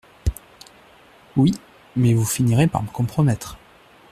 Oui ; mais vous finirez par me compromettre…